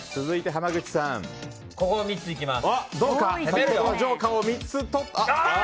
ここの３ついきます。